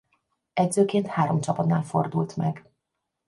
Edzőként három csapatnál fordult meg.